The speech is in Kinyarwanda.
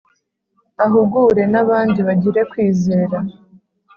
Ahugure nabandi bagire kwizera